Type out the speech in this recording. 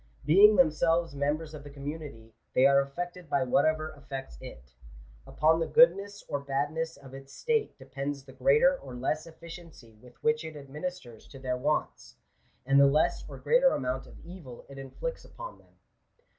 Being themselves members of the community, they are affected by whatever affects it Upon the goodness or badness of its state depends the greater or less efficiency with which it administers to their wants ; and the less or greater amount of evil it inflicts upon them.